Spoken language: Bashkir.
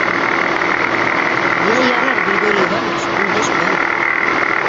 — Йә, ярар, Григорий Иванович, өндәшмәм.